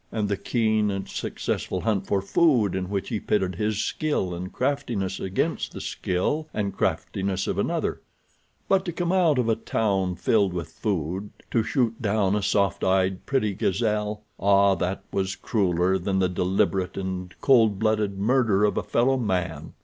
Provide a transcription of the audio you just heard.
And the keen and successful hunt for food in which he pitted his skill and craftiness against the skill and craftiness of another; but to come out of a town filled with food to shoot down a soft eyed, pretty gazelle—ah, that was crueller than the deliberate and cold blooded murder of a fellow man.